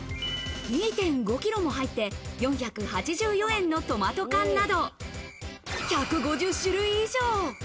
２．５キロも入って４８４円のトマト缶など、１５０種類以上。